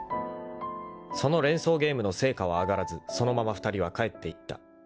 ［その連想ゲームの成果は挙がらずそのまま２人は帰っていった］